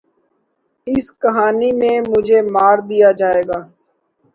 ﺍﺱ ﮐﮩﺎﻧﯽ ﻣﯿﮟ ﻣﺠﮭﮯ ﻣﺎﺭ ﺩﯾﺎ ﺟﺎﺋﮯ ﮔﺎ